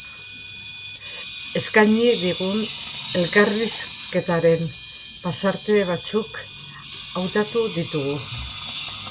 Eskaini digun elkarrizketaren pasarte batzuk hautatu ditugu.